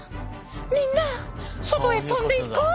みんな外へ飛んでいこう！